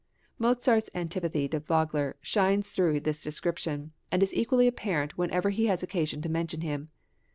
Mozart's antipathy to Vogler shines through this description, and is equally apparent whenever he has occasion to mention him.